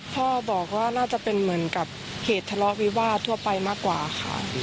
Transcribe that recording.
พ่อบอกว่าน่าจะเป็นเหมือนกับเหตุทะเลาะวิวาสทั่วไปมากกว่าค่ะ